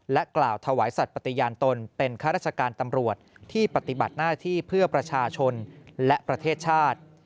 กล่าวถวายสัตว์ปฏิญาณตนเป็นข้าราชการตำรวจที่ปฏิบัติหน้าที่เพื่อประชาชนและประเทศชาติ